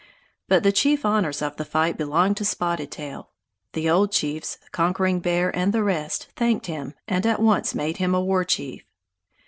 But the chief honors of the fight belonged to Spotted Tail. The old chiefs, Conquering Bear and the rest, thanked him and at once made him a war chief.